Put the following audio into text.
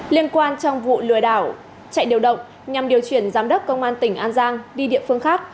liên quan trong vụ lừa đảo chạy điều động nhằm điều chuyển giám đốc công an tỉnh an giang đi địa phương khác